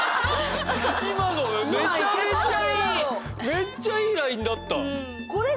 めっちゃいいラインだった！